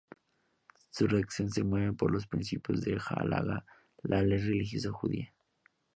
Su redacción se mueve por los principios de la Halajá, la ley religiosa judía.